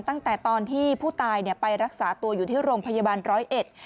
ตั้งแต่ตอนที่ผู้ตายเนี่ยไปรักษาตัวอยู่ที่โรงพยาบาลร้อยเอ็ด